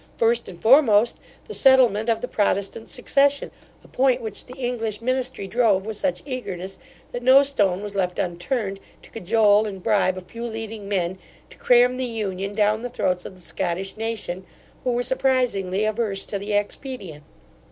First and foremost, the settlement of the protestant succession, a point which the English ministry drove with such eagerness, that no stone was left unturned, to cajole and bribe a few leading men, to cram the union down the throats of the Scottish nation, who were surprisingly averse to the expedient.